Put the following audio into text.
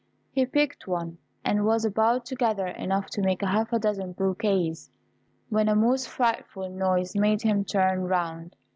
He picked one, and was about to gather enough to make half a dozen bouquets, when a most frightful noise made him turn round.